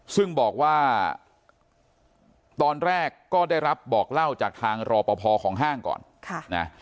ซึ่งบอกว่าตอนแรกก็ได้รับบอกเล่าจากทางรอปภของห้างก่อน